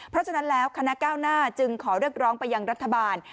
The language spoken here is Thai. เพราะฉะนั้นแล้วคณะก้าวหน้าจึงขอเรียกร้องไปยังรัฐบาล